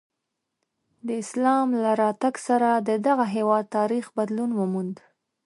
د اسلام له راتګ سره د دغه هېواد تاریخ بدلون وموند.